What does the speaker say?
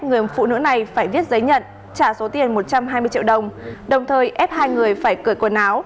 người phụ nữ này phải viết giấy nhận trả số tiền một trăm hai mươi triệu đồng đồng thời ép hai người phải cởi quả tăng